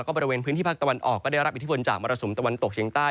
ก็ได้รับอิทธิฟนจากมรสุมตะวันตกเชียงใต้